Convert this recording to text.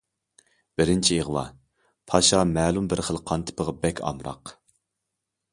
بىرىنچى ئىغۋا: پاشا مەلۇم بىر خىل قان تىپىغا بەك ئامراق.